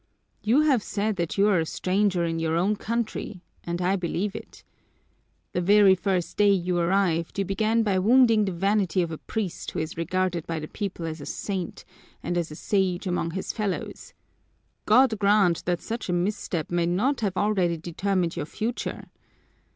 You have said that you are a stranger in your own country, and I believe it. The very first day you arrived you began by wounding the vanity of a priest who is regarded by the people as a saint, and as a sage among his fellows. God grant that such a misstep may not have already determined your future!